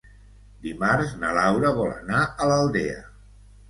Dimarts na Laura vol anar a l'Aldea.